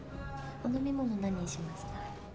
お飲み物何にしますか？